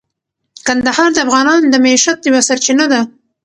کندهار د افغانانو د معیشت یوه سرچینه ده.